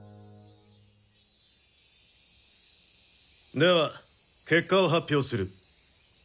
では結果を発表する。